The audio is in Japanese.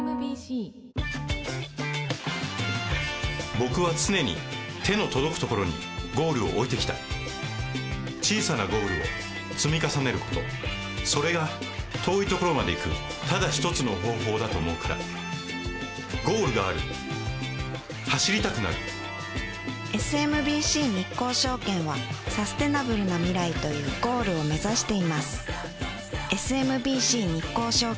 僕は常に手の届くところにゴールを置いてきた小さなゴールを積み重ねることそれが遠いところまで行くただ一つの方法だと思うからゴールがある走りたくなるＳＭＢＣ日興証券はサステナブルな未来というゴールを目指していますＳＭＢＣ日興証券